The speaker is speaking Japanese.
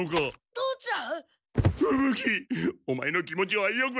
父ちゃん！